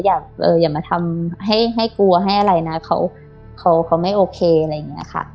อย่าเอออย่ามาทำให้ให้กลัวให้อะไรน่ะเขาเขาเขาไม่โอเคอะไรอย่างเงี้ยค่ะ